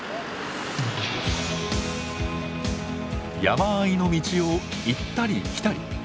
山あいの道を行ったり来たり。